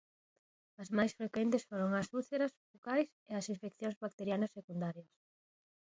As máis frecuentes foron as úlceras bucais e as infeccións bacterianas secundarias.